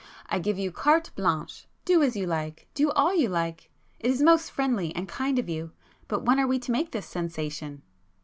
I give you carte blanche,—do as you like; do all you like! It is most friendly and kind of you! But when are we to make this sensation?"